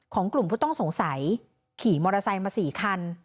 กลุ่มผู้ต้องสงสัยขี่มอเตอร์ไซค์มา๔คัน